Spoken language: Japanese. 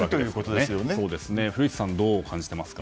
古市さん、どう感じてますか。